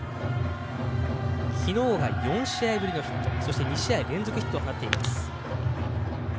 きのうが４試合ぶりのヒットそして２試合連続のヒットを放っています。